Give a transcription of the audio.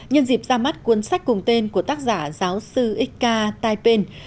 nhân dịp ra mắt cuốn sách cùng tên của tác giả giáo sư ekka taipen